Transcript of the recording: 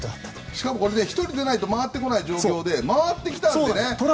しかも１人出ないと回ってこない状況で回ってきたのでね。